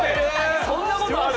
そんなことある？